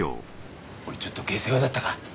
俺ちょっと下世話だったか？